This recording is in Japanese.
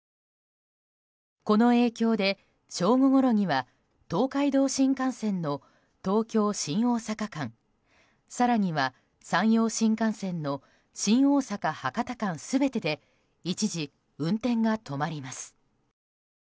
この影響で、正午ごろには東海道新幹線の東京新大阪間更には山陽新幹線の新大阪博多間全てで一時、運転が止まります。